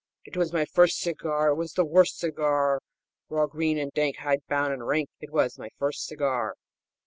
It was my first cigar! It was the worst cigar! Raw, green and dank, hide bound and rank It was my first cigar!